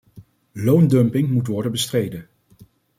Loondumping moet worden bestreden.